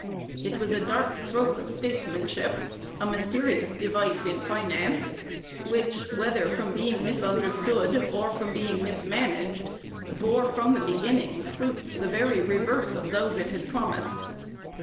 It was a dark stroke of statesmanship, a mysterious device in finance, which, whether from being misunderstood, or from being mismanaged, bore from the beginning fruits the very reverse of those it had promised.